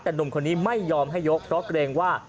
แต่หนุ่มคนนี้ไม่ยอมให้ยกเพราะเกรงว่า